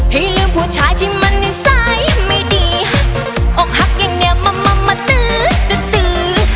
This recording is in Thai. ให้ลืมผู้ชายที่มันนิสัยไม่ดีออกหักอย่างเงียบมามาตื้อตื้อตื้อ